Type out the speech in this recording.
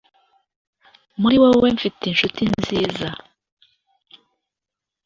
muri wowe mfite inshuti nziza.